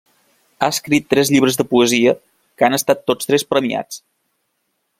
Ha escrit tres llibres de poesia, que han estat tots tres premiats.